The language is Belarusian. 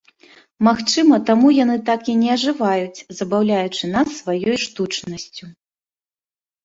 Магчыма, таму яны так і не ажываюць, забаўляючы нас сваёй штучнасцю.